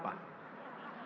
jadi kita berbicara tentang ini